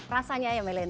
rasanya ya milenial